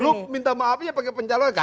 lu minta maafnya pakai pencalonnya